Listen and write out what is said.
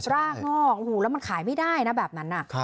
ร่างงอกแล้วมันขายไม่ได้นะแบบนั้นน่ะ